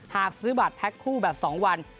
หากซื้อบัตรแพ็คคู่แบบ๒วัน